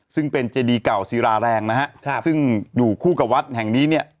ซึ่งเป็นเจดีเก่าศิราแรงนะฮะซึ่งอยู่คู่กับวัดแห่งนี้เนี่ย